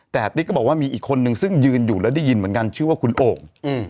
แต่ติ๊กก็บอกว่ามีอีกคนนึงซึ่งยืนอยู่แล้วได้ยินเหมือนกันชื่อว่าคุณโอ่ง